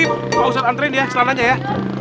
pak ustadz antriin dia celananya ya